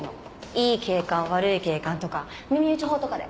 「いい警官悪い警官」とか「耳打ち法」とかで。